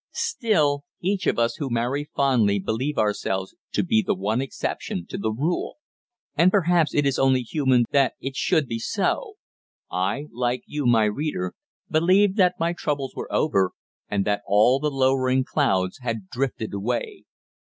Still, each of us who marry fondly believe ourselves to be the one exception to the rule. And perhaps it is only human that it should be so. I, like you my reader, believed that my troubles were over, and that all the lowering clouds had drifted away.